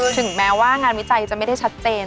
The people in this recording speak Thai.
ถึงแม้ว่างานวิจัยจะไม่ได้ชัดเจน